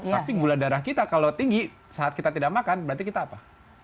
tapi gula darah kita kalau tinggi saat kita tidak makan berarti kita apa